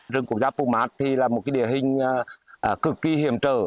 rừng quốc gia pumat thì là một địa hình cực kỳ hiểm trở